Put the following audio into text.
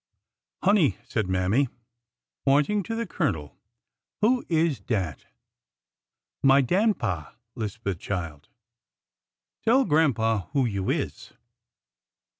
Honey," said Mammy, pointing to the Colonel, who is dat ?" My — dan'pa," lisped the child. Tell grandpa who you is."